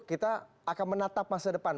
kita akan menatap masa depan